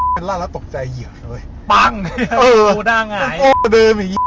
ลั่นแล้วตกใจเหยียวเลยปังเออกูด้านไหงกูเดินไอ้